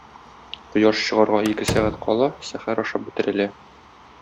Кояш чыгарга ике сәгать кала сәхәр ашап бетерелә.